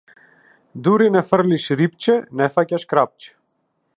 Дури не фрлиш рипче, не фаќаш крапче.